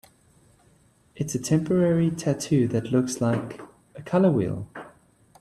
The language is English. It's a temporary tattoo that looks like... a color wheel?